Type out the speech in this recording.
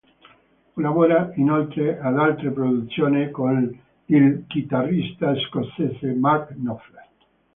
Collabora inoltre ad altre produzioni con il chitarrista scozzese Mark Knopfler.